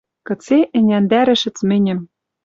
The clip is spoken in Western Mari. Кыце ӹняндӓрӹшӹц мӹньӹм